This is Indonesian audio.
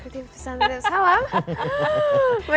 titip pesan titip salam